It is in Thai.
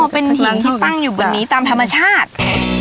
เป็นหินที่ตั้งอยู่บนนี้ตามธรรมชาติ